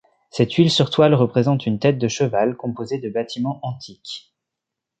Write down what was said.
Cette huile sur toile représente une tête de cheval composée de bâtiments antiques.